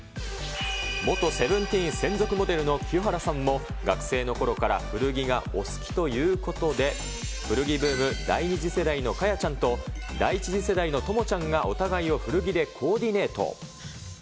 元セブンティーン専属モデルの清原さんも、学生のころから古着がお好きということで、古着ブーム第２次世代の果耶ちゃんと、第１次世代の友ちゃんが、お互いを古着でコーディネート。